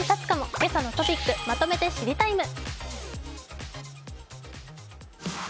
「けさのトピックまとめて知りＴＩＭＥ，」